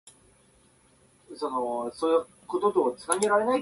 長さの違う十七本の金属の細い板が並んでいて、爪ではじくことで音を出す楽器